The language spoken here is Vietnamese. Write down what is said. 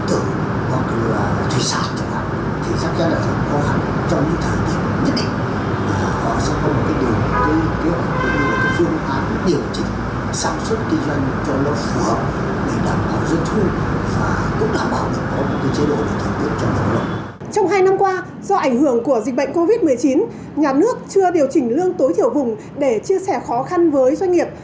trong hai năm qua do ảnh hưởng của dịch bệnh covid một mươi chín nhà nước chưa điều chỉnh lương tối thiểu vùng để chia sẻ khó khăn với doanh nghiệp